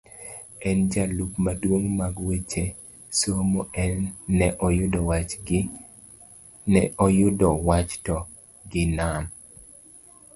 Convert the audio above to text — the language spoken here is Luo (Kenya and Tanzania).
en jalup maduong' mag weche, somo en yudo wach to gi nam